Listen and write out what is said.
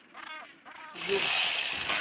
Yom.